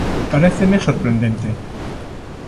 Paréceme sorprendente.